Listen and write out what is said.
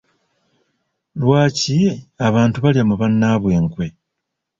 Lwaki abantu balya mu bannaabwe enkwe?